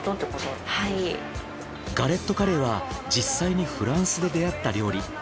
ガレットカレーは実際にフランスで出会った料理。